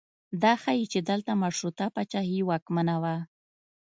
دا ښیي چې دلته مشروطه پاچاهي واکمنه وه.